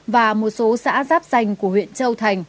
và một số xã giáp danh của huyện châu thành